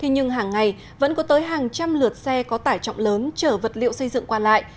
nhưng hàng ngày vẫn có tới hàng trăm lượt xe có tải trọng lớn chở vật liệu xây dựng qua lại